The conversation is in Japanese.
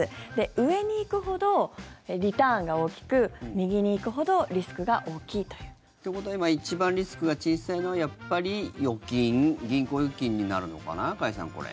上に行くほどリターンが大きく右に行くほどリスクが大きいという。ってことは今一番リスクが小さいのはやっぱり銀行預金になるのかな加谷さん、これ。